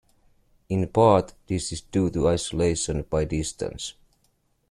In part this is due to isolation by distance.